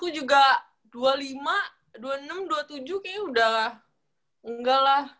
satu juga dua puluh lima dua puluh enam dua puluh tujuh kayaknya udah enggak lah